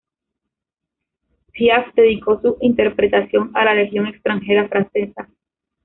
Piaf dedicó su interpretación a la Legión Extranjera Francesa.